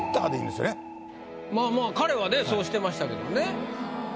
まあまあ彼はねそうしてましたけどね。